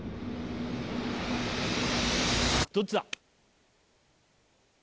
どっちだ？